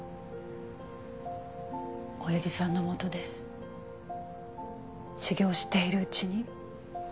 おやじさんのもとで修業しているうちに。